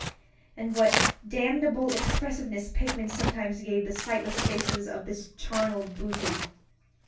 And what damnable expressiveness Pickman sometimes gave the sightless faces of this charnel booty!